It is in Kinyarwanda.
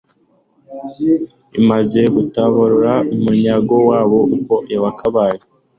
imaze gutabarura umuryango wayo uko wakabaye